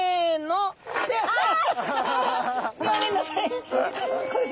ギョめんなさい！